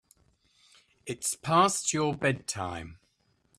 It's past your bedtime.